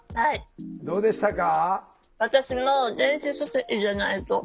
どうでしたか？